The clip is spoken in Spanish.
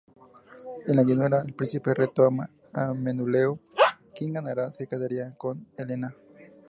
En la llanura, el príncipe retó a Menelao: quien ganara se quedaría con Helena.